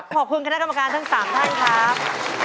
ขอบคุณคณะกรรมการทั้ง๓ท่านครับ